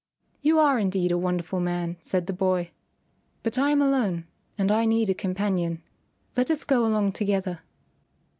"You are indeed a wonderful man," said the boy; "but I am alone and I need a companion. Let us go along together."